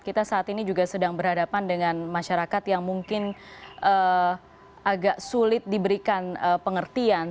kita saat ini juga sedang berhadapan dengan masyarakat yang mungkin agak sulit diberikan pengertian